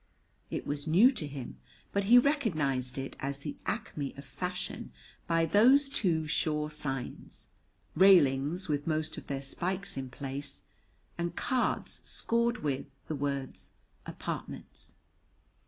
It was new to him, but he recognized it as the acme of fashion by those two sure signs; railings with most of their spikes in place, and cards scored with, the word "Apartments."